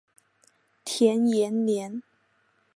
田延年。